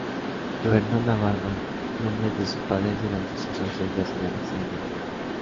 Gobernó Navarra en nombre de sus padres durante sus ausencias en el extranjero.